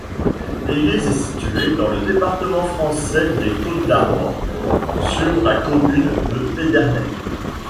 L'église est située dans le département français des Côtes-d'Armor, sur la commune de Pédernec.